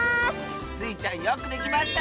スイちゃんよくできました！